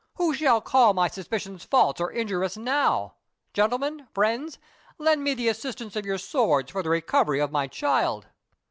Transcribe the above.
"Who shall call my suspicions false or injurious now? Gentlemen friends lend me the assistance of your swords for the recovery of my child."